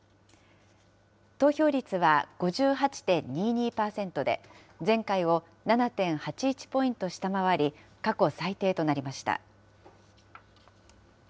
投票率は５８．２２％で、前回を７．８１ポイント下回り、過去最低となりました。